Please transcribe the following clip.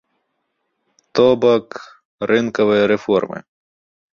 То бок, рынкавыя рэформы.